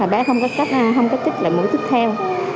bé không có chích lại mũi tiếp theo